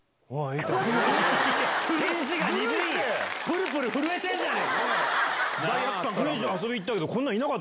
プルプル震えてんじゃねえか！